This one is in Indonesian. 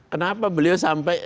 kenapa beliau sampai